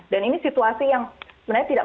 dan ini situasi yang sebenarnya tidak